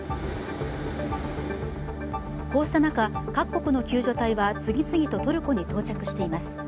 こうした中、各国の救助隊は次々とトルコに到着しています。